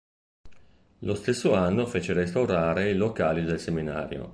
Lo stesso anno fece restaurare i locali del seminario.